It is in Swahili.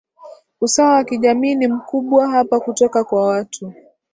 usawa wa kijamii ni mkubwa hapa kutoka kwa watu